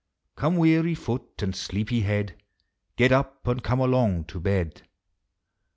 Come, weary foot, and sleepy head, Get up, and come along to bed."